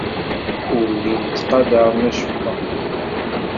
Ur llin ttqadaren acemma.